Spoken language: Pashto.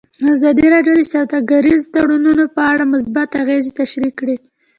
ازادي راډیو د سوداګریز تړونونه په اړه مثبت اغېزې تشریح کړي.